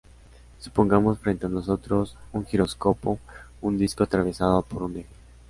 Supongamos frente a nosotros un giróscopo, un disco atravesado por un eje.